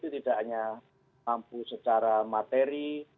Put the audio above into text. tidak hanya mampu secara materi